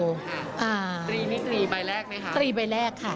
ตรีมิตรีใบแรกไหมคะตรีใบแรกค่ะ